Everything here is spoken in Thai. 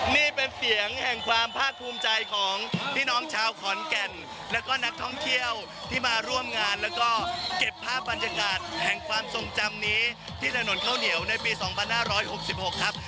นี่เป็นเสียงแห่งความภาคภูมิใจของพี่น้องชาวขอนแก่นแล้วก็นักท่องเที่ยวที่มาร่วมงานแล้วก็เก็บภาพบรรยากาศแห่งความทรงจำนี้ที่ถนนข้าวเหนียวในปี๒๕๖๖ครับ